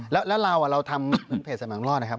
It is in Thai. แล้วเราเราทำเพจสมังรอดนะครับ